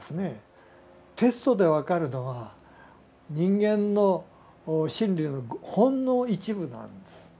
テストで分かるのは人間の心理のほんの一部なんです。